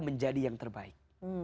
menjadi yang terbaik